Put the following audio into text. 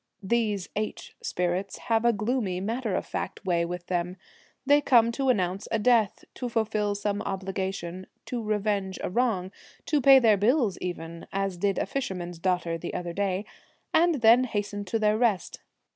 These H spirits have a gloomy, matter of fact way with them. They come to announce a death, to fulfil some obligation, to revenge a wrong, to pay their bills even — as did a fisherman's daughter the other day — and then hasten to their rest.